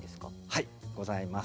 はいございます。